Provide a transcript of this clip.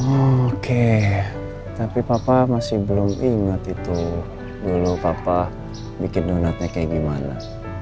oke tapi papa masih belum inget itu dulu papa bikin donatnya kayak gimana